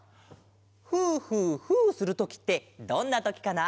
「ふーふーふー」するときってどんなときかな？